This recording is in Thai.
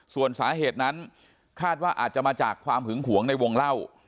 ส่วนสาเหตุนั้นคาดว่าอาจจะมาจากความหึงหวงในวงเล่า